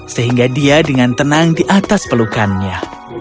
sehingga dia dengan tenang di atas pelukannya